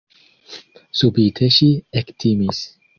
Subite ŝi ektimis.